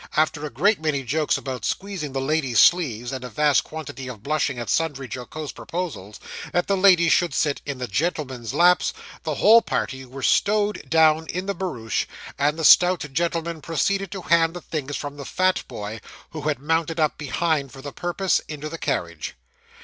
After a great many jokes about squeezing the ladies' sleeves, and a vast quantity of blushing at sundry jocose proposals, that the ladies should sit in the gentlemen's laps, the whole party were stowed down in the barouche; and the stout gentleman proceeded to hand the things from the fat boy (who had mounted up behind for the purpose) into the carriage.